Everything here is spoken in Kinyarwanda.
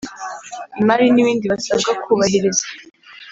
imari n ibindi basabwa kubahiriza